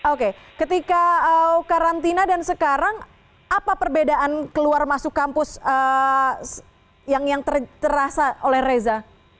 oke ketika karantina dan sekarang apa perbedaan keluar masuk kampus yang terasa oleh reza